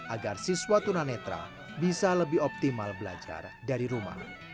agar siswa tunanetra bisa lebih optimal belajar dari rumah